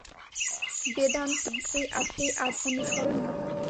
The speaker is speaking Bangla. বেদান্ত বলেন, এই আদর্শ অনুসরণীয়।